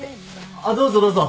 あっどうぞどうぞ。